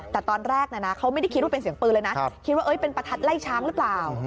แต่ตอนแรกนะเขาไม่ได้คิดว่าเป็นเสียงปืนเลยนะคิดว่าเป็นประทัดไล่ช้างหรือเปล่า